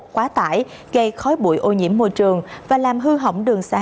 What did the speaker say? quá tải gây khói bụi ô nhiễm môi trường và làm hư hỏng đường xá